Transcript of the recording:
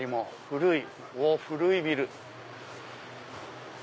古いビル。